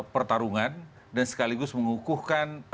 pertarungan dan sekaligus mengukuhkan